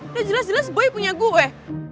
udah jelas jelas boy punya gue